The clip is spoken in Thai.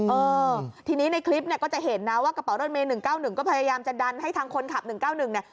เออทีนี้ในคลิปเนี่ยก็จะเห็นนะว่ากระเป๋ารถเมย์๑๙๑ก็พยายามจะดันให้ทางคนขับ๑๙๑เนี่ย